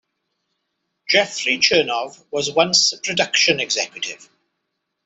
Jeffrey Chernov was once a production executive.